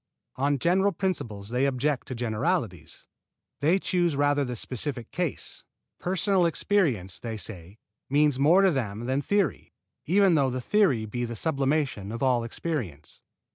On general principles they object to generalities. They choose rather the specific case. Personal experience, they say, means more to them than theory, even though the theory be the sublimation of all experience.